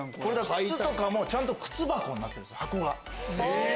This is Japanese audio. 靴とかもちゃんと靴箱になってるんです箱が。